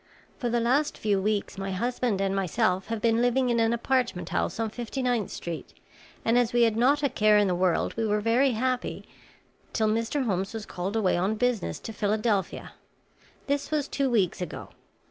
For the last few weeks my husband and myself have been living in an apartment house on Fifty ninth Street, and as we had not a care in the world, we were very happy till Mr. Holmes was called away on business to Philadelphia. This was two weeks ago.